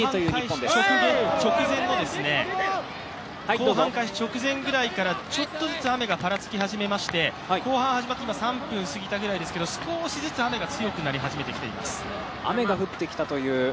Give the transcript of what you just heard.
後半開始直前ぐらいからちょっとずつ雨がぱらつき始めまして後半始まって今３分過ぎたぐらいですけど少しずつ雨が強くなり始めています。